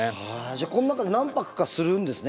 じゃあこの中で何泊かするんですね